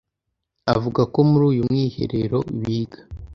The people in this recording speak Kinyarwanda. Avuga ko muri uyu mwiherero biga